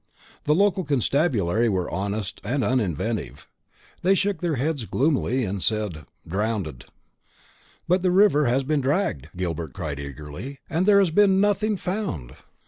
The local constabulary were honest and uninventive. They shook their heads gloomily, and said "Drownded." "But the river has been dragged," Gilbert cried eagerly, "and there has been nothing found."